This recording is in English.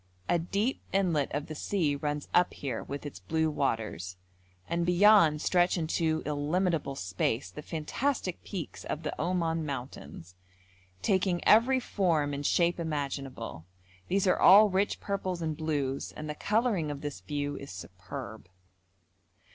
A deep inlet of the sea runs up here with its blue waters, and beyond stretch into illimitable space the fantastic peaks of the Oman mountains, taking every form and shape imaginable; these are all rich purples and blues, and the colouring of this view is superb.